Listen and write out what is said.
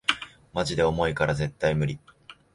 マジで重いから絶対ムリ